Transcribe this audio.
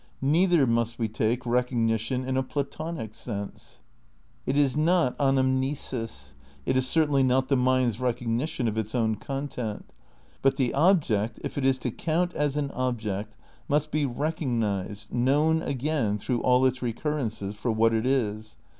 Neither must we take " recognition " in a Platonic sense. It is not 6,vi.nvrj(ns; it is certainly not the mind's recognition of its own content. But the object, if it is to count as an object, must be recognised, known again, through all its recurrences, for what it is.